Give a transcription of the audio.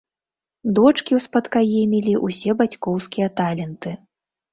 Дочкі ўспадкаемілі ўсе бацькоўскія таленты.